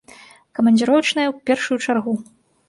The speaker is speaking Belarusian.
Камандзіровачныя ў першую чаргу!